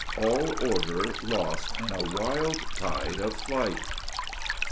All order lost in a wild tide of flight.